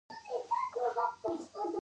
کلتور د افغانستان د طبعي سیسټم توازن ساتي.